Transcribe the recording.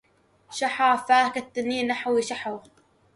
شحا فاه كالتنين نحوي شحوة